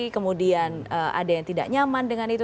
kemudian ada yang tidak nyaman dengan itu